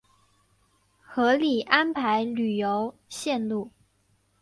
合理安排旅游线路